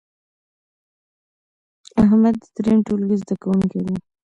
احمد د دریم ټولګې زده کوونکی دی.